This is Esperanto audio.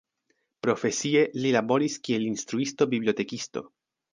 Profesie li laboris kiel instruisto-bibliotekisto.